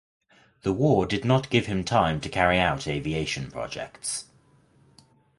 The war did not give him time to carry out aviation projects.